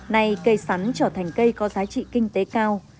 nay cây sắn trở thành cây có giá trị kinh tế cao